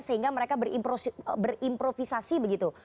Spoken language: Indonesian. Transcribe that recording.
sehingga mereka berimprovisasi begitu